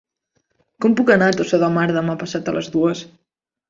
Com puc anar a Tossa de Mar demà passat a les dues?